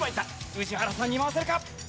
宇治原さんに回せるか？